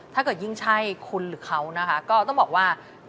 ถ้าเกิดยิ่งใช่คุณหรือเขานะคะก็ต้องบอกว่า